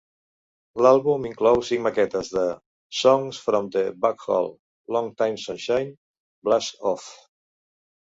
L'àlbum inclou cinc maquetes de "Songs From the Black Hole": "Longtime Sunshine", "Blast Off!",